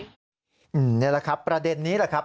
นี่แหละครับประเด็นนี้แหละครับ